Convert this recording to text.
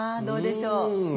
どうでしょう？